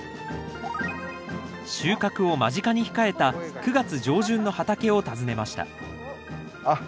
収穫を間近に控えた９月上旬の畑を訪ねましたあっ。